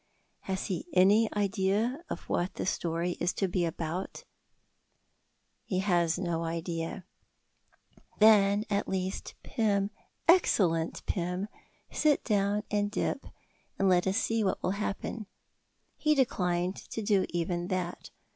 Has he any idea of what the story is to be about? He has no idea. Then at least, Pym excellent Pym sit down and dip, and let us see what will happen. He declined to do even that.